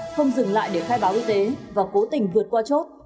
không dừng lại để khai báo y tế và cố tình vượt qua chốt